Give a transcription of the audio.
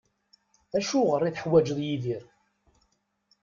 Acuɣer i teḥwaǧeḍ Yidir?